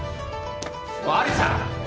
有沙！